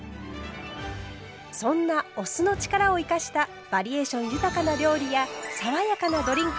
そんなお酢の力を生かしたバリエーション豊かな料理や爽やかなドリンク